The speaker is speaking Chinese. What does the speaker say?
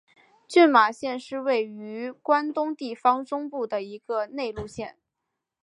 群马县是位于关东地方中部的一个内陆县。